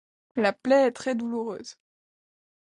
La plaie est très douloureuse.